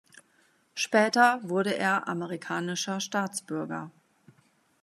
Später wurde er amerikanischer Staatsbürger.